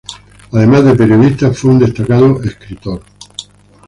Además de periodista, fue un destacado escritor.